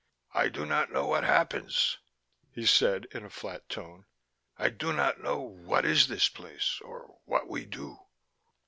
"I do not know what happens," he said in a flat tone. "I do not know what is this place, or what we do."